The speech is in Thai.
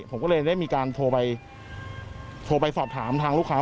ผมก็เลยได้มีการโทรไปโทรไปสอบถามทางลูกค้า